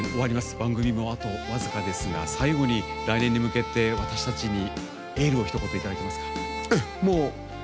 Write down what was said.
番組もあと僅かですが最後に来年に向けて私たちにエールをひと言いただけますか。